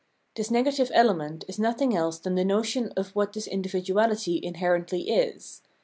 This negative element is nothing else than the notion of what this individuality inherently is.